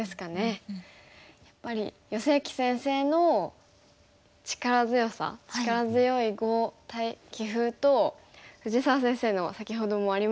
やっぱり余正麒先生の力強さ力強い碁棋風と藤沢先生の先ほどもありましたけど。